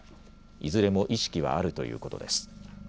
いずれも意識はあるということです。